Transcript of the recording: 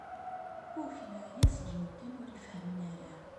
Uk neɛya seg medden ur ifehhmen ara.